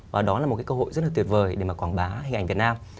và đó là một cơ hội rất tuyệt vời để quảng bá hình ảnh việt nam